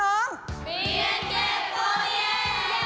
เปียนเก็บโอเย่